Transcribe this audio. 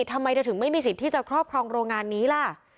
ทำไมเธอถึงไม่มีสิทธิ์ที่จะครอบครองโรงงานนี้ล่ะ